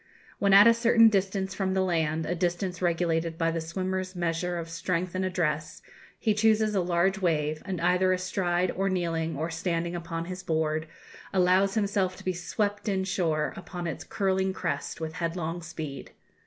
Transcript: When at a certain distance from the land, a distance regulated by the swimmer's measure of strength and address, he chooses a large wave, and either astride, or kneeling, or standing upon his board, allows himself to be swept in shore upon its curling crest with headlong speed.